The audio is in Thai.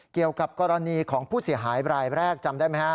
เกี่ยวกับกรณีของผู้เสียหายรายแรกจำได้ไหมฮะ